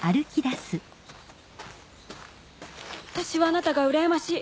あたしはあなたがうらやましい。